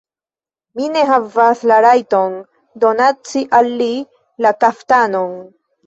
Mi ne havas la rajton donaci al li la kaftanon!